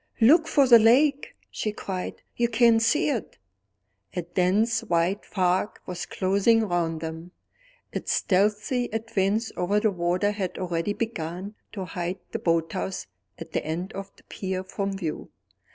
"Look for the lake!" she cried. "You can't see it." A dense white fog was closing round them. Its stealthy advance over the water had already begun to hide the boathouse at the end of the pier from view.